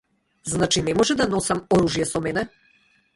Значи не може да носам оружје со мене.